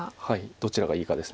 どちらがいいかです。